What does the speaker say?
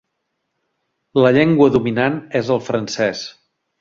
La llengua dominant és el francès.